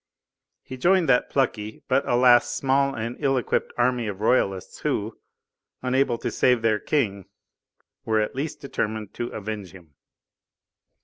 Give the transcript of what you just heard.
He joined that plucky but, alas! small and ill equipped army of royalists who, unable to save their King, were at least determined to avenge him.